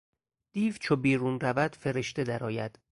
دیو چو بیرون رود فرشته در آید